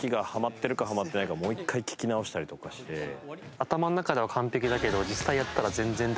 頭の中では完璧だけど。